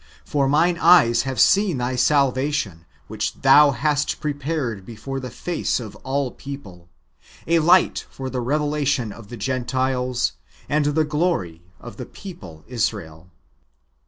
For mine eyes have seen Thy salvation, which Thou hast prepared before the face of all people : a light for the revelation of the Gentiles,^ and the glory of the people Israel."